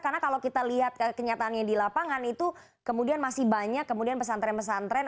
karena kalau kita lihat kenyataannya di lapangan itu kemudian masih banyak kemudian pesantren pesantren